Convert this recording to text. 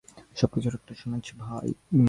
সবকিছুর একটা সময় আছে, ভাই।